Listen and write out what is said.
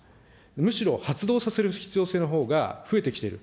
むしろ発動させる必要性のほうが増えてきている。